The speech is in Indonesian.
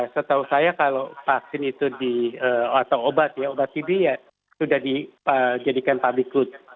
setahu saya kalau vaksin itu di atau obat ya obat tv ya sudah dijadikan public good